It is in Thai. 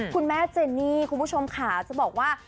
คุณแม่เจนี่คุณผู้ชมค่ะจะบอกว่า